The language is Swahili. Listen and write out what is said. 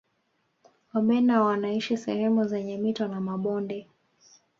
wabena wanaishi sehemu zenye mito na mabonde